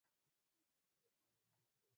لرګی د کاغذ جوړولو یو اساسي مواد دی.